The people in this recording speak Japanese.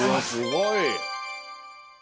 すごい。